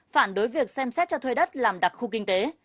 phản đối việc xem xét cho thuê đất làm đặc khu kinh tế